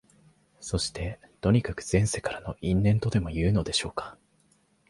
そして、とにかく前世からの因縁とでもいうのでしょうか、